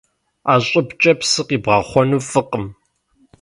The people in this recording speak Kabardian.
Ӏэ щӏыбкӏэ псы къибгъэхъуэну фӏыкъым.